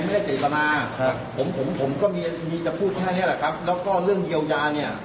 ครับผมผมผมก็มีจะพูดแค่เนี้ยแหละครับแล้วก็เรื่องเยียวยาเนี้ย